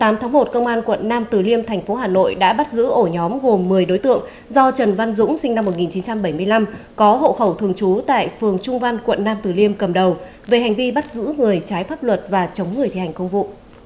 ngày tám tháng một công an quận nam từ liêm thành phố hà nội đã bắt giữ ổ nhóm gồm một mươi đối tượng do trần văn dũng sinh năm một nghìn chín trăm bảy mươi năm có hộ khẩu thường trú tại phường trung văn quận nam tử liêm cầm đầu về hành vi bắt giữ người trái pháp luật và chống người thi hành công vụ